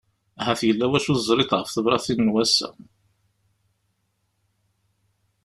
Ahat yella wacu teẓriḍ ɣef tebratin n wassa.